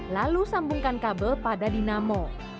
lalu sambungkan kabel pada dinamo